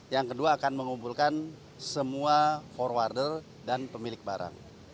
yang kedua akan mengumpulkan semua forwarder dan pemilik barang